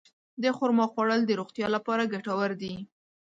د خرما خوړل د روغتیا لپاره ګټور دي.